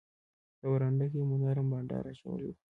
په برنډه کې مو نرم بانډار اچولی وو.